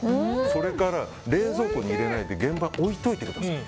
それから冷蔵庫に入れないで現場に置いといてください。